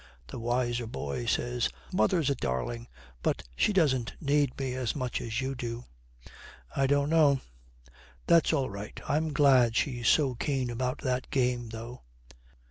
The wiser boy says, 'Mother's a darling, but she doesn't need me as much as you do.' 'I don't know.' 'That's all right. I'm glad she's so keen about that game, though.'